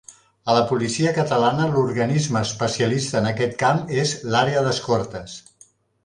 A la policia catalana l'organisme especialista en aquest camp és l'Àrea d'Escortes.